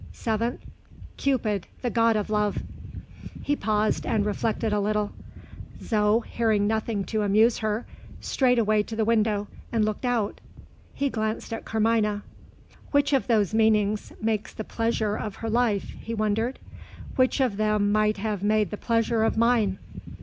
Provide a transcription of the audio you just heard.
Seventh: Cupid, the god of love." He paused, and reflected a little. Zo, hearing nothing to amuse her, strayed away to the window, and looked out. He glanced at Carmina. "Which of those meanings makes the pleasure of her life?" he wondered. "Which of them might have made the pleasure of mine?"